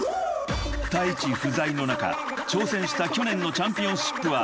［Ｔａｉｃｈｉ不在の中挑戦した去年のチャンピオンシップは］